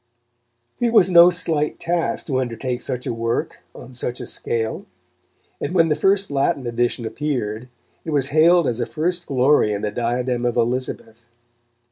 It was no slight task to undertake such a work on such a scale. And when the first Latin edition appeared, it was hailed as a first glory in the diadem of Elizabeth.